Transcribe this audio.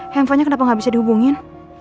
handphonenya kenapa gak bisa dihubungin